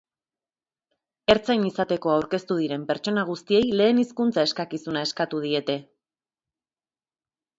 Ertzain izateko aurkeztu diren pertsona guztiei lehen hizkuntza eskakizuna eskatu diete.